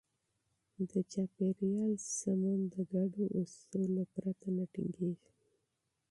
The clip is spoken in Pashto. ټولنیز نظم د ګډو اصولو پرته نه ټینګېږي.